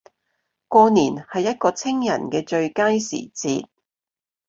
過年係一個清人既最佳時節